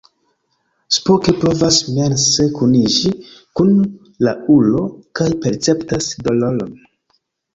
Spock provas mense kuniĝi kun la ulo, kaj perceptas doloron.